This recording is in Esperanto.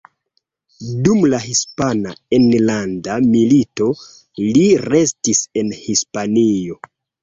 Dum la Hispana Enlanda Milito li restis en Hispanio.